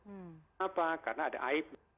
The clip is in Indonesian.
kenapa karena ada aib